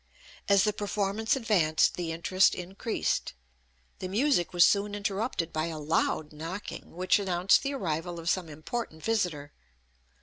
As the performance advanced the interest increased. The music was soon interrupted by a loud knocking, which announced the arrival of some important visitor.